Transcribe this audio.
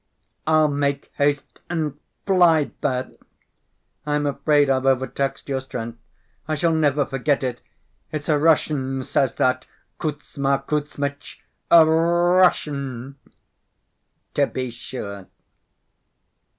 "I'll make haste and fly there. I'm afraid I've overtaxed your strength. I shall never forget it. It's a Russian says that, Kuzma Kuzmitch, a R‐r‐ russian!" "To be sure!"